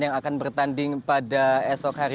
yang akan bertanding pada esok hari